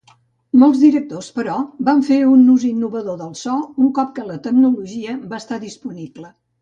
Molts directors, però, van fer un ús innovador del so un cop que la tecnologia va estar disponible.